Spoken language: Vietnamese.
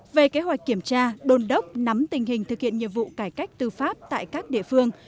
về kế hoạch kiểm tra đôn đốc nắm tình hình thực hiện nhiệm vụ cải cách tư pháp tại các địa phương